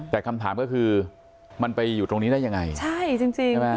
แต่คำถามก็คือมันไปอยู่ตรงนี้ได้ยังไงใช่จริงจริงใช่ไหม